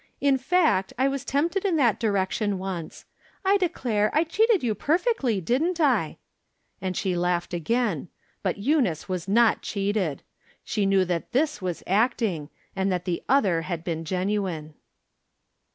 In fact, I was tempted in that di rection once. I declare, I cheated you perfectly, didn't I ?" And she laughed again. But Eunice was not cheated ; she knew that this was acting, and that the other had been genuine.